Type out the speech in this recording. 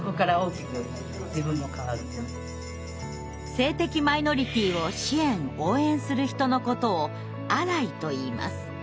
性的マイノリティーを支援・応援する人のことを「アライ」といいます。